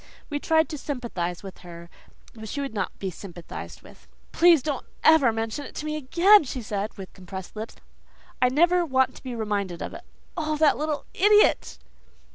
We tried to sympathize with her but she would not be sympathized with. "Please don't ever mention it to me again," she said, with compressed lips. "I never want to be reminded of it. Oh, that little IDIOT!"